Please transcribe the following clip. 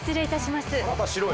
また白い。